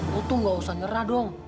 lo tuh nggak usah nyerah dong